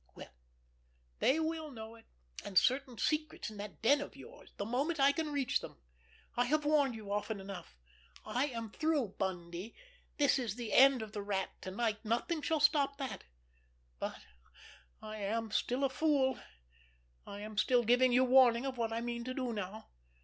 Well, they will know it, and certain secrets in that den of yours, the moment I can reach them. I have warned you often enough. I am through, Bundy, this is the end of the Rat to night, nothing shall stop that—but I am still a fool. I am still giving you warning of what I mean to do now.